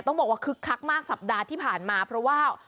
ต้องบอกว่าคึกคักมากสัปดาห์ที่ผ่านมาเพราะว่า